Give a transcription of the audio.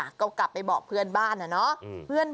ก็กลับไปบอกเพื่อนบ้านนะเนาะ